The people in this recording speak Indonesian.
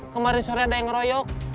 kemarin sore ada yang ngeroyok